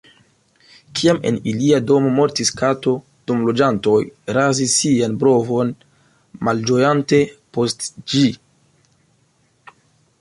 Kiam en ilia domo mortis kato, domloĝantoj razis sian brovon malĝojante post ĝi.